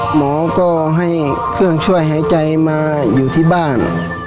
หมอก็ให้เครื่องช่วยหายใจมาอยู่ที่บ้าน